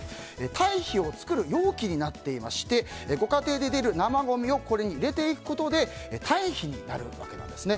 堆肥を作る容器になっていましてご家庭で出る生ごみをこれに入れていくことで堆肥になるわけなんですね。